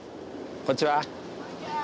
こんにちは。